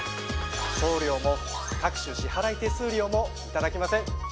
送料も各種支払い手数料もいただきません。